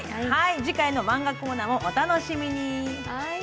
次回のマンガコーナーもお楽しみに。